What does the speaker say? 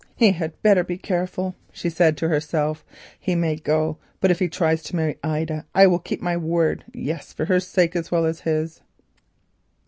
"He had better be careful," she said to herself; "he may go, but if he tries to marry Ida I will keep my word—yes, for her sake as well as his."